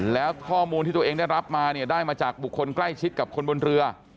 แล้วข้อมูลที่ตัวเองได้รับมาเนี่ยได้มาจากบุคคลใกล้ชิดกับคนบนเรือ